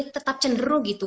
tetap cenderung gitu